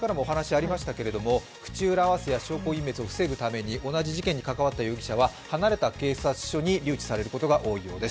口裏合わせや証拠隠滅を防ぐために同じ事件に関わった容疑者は離れた警察署に留置されることが多いようです。